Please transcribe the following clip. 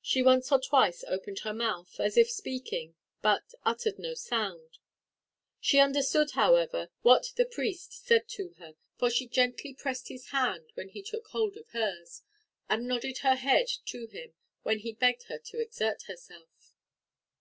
She once or twice opened her mouth, as if speaking, but uttered no sound. She understood, however, what the priest said to her, for she gently pressed his hand when he took hold of hers, and nodded her head to him, when he begged her to exert herself.